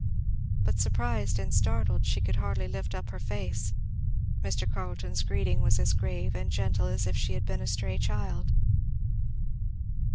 But surprised and startled she could hardly lift up her face. Mr. Carleton's greeting was as grave and gentle as if she had been a stray child.